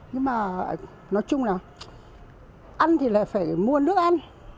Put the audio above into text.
nhưng mà nói chung là ăn thì lại phải mua nước ăn